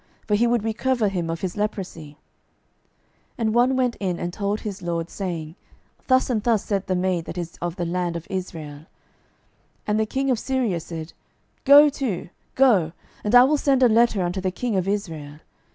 for he would recover him of his leprosy. 12:005:004 And one went in, and told his lord, saying, Thus and thus said the maid that is of the land of Israel. 12:005:005 And the king of Syria said, Go to, go, and I will send a letter unto the king of Israel.